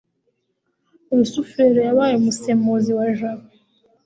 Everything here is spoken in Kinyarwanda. rusufero yabaye umusemuzi wa jabo